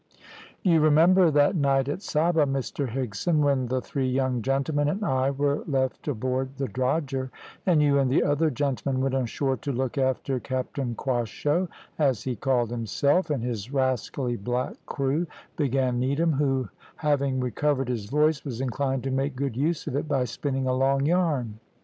"You remember that night at Saba, Mr Higson, when the three young gentlemen and I were left aboard the drogher, and you and the other gentlemen went ashore to look after Captain Quasho, as he called himself, and his rascally black crew," began Needham, who having recovered his voice, was inclined to make good use of it by spinning a long yarn.